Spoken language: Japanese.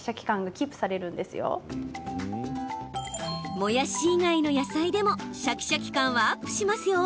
もやし以外の野菜でもシャキシャキ感はアップしますよ。